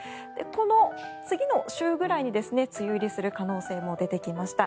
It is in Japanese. この次の週ぐらいに梅雨入りする可能性も出てきました。